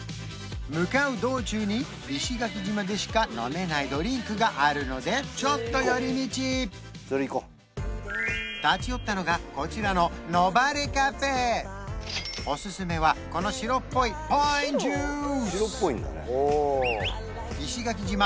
向かう道中に石垣島でしか飲めないドリンクがあるのでちょっと寄り道立ち寄ったのがこちらのおすすめはこの白っぽいパインジュース石垣島